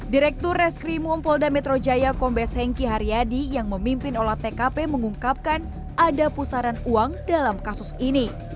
direktur reskrimum polda metro jaya kombes hengki haryadi yang memimpin olah tkp mengungkapkan ada pusaran uang dalam kasus ini